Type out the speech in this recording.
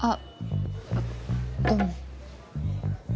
あっどうも。